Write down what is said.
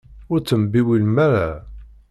Ur ttembiwilem ara.